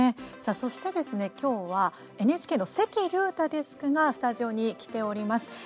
そしてですね、きょうはＮＨＫの関隆太デスクがスタジオに来ております。